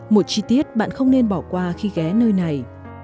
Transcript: một chi tiết bạn không nên bỏ qua khi ghé nơi này